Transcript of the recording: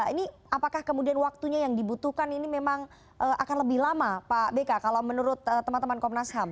ini apakah kemudian waktunya yang dibutuhkan ini memang akan lebih lama pak beka kalau menurut teman teman komnas ham